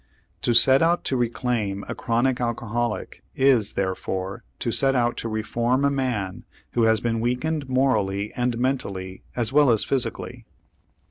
To set out to reclaim a chronic alcoholic is, therefore, to set out to reform a man who has been weakened morally and mentally as well as physically.